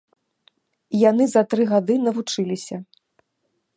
Яны за тры гады навучыліся.